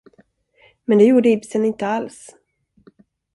Men det gjorde Ibsen inte alls.